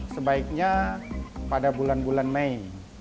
sebaiknya pada bulan bulan mei